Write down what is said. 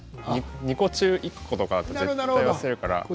２個中の１個とかだと忘れるから。